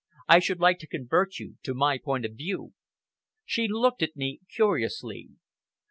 I should like to convert you to my point of view." She looked at me curiously.